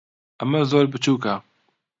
ئەمە زۆر بچووکە.